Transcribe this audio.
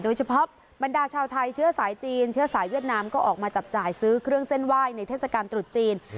โดยเฉพาะบรรดาชาวไทยเชื้อสายจีนเชื้อสายเวียดนามก็ออกมาจับจ่ายซื้อเครื่องเส้นไหว้ในเทศกาลตรุษจีน